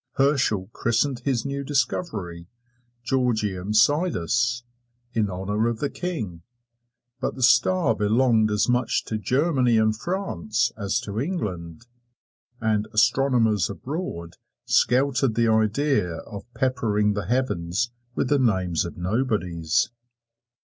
Herschel christened his new discovery "Georgium Sidus," in honor of the King; but the star belonged as much to Germany and France as to England, and astronomers abroad scouted the idea of peppering the heavens with the names of nobodies.